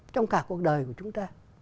trong cả cuộc đời của chúng ta